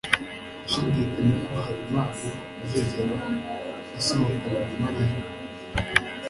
Ndashidikanya ko Habimana azigera asohokana na Mariya.